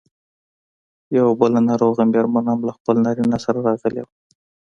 یوه بله ناروغه مېرمن هم له خپل نارینه سره راغلې وه.